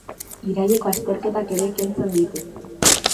Iraileko azterketak ere kentzen ditu.